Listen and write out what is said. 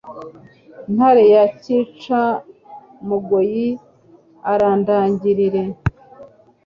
Ntare ya Cyica-mugoyi urandagirire.